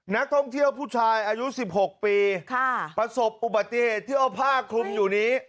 นักท่องเที่ยวผู้ชายอายุ๑๖ปีประสบอุบัติเหตุที่เอาผ้าคลุมอยู่นี้